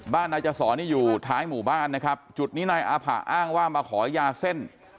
นายจศรนี่อยู่ท้ายหมู่บ้านนะครับจุดนี้นายอาผะอ้างว่ามาขอยาเส้น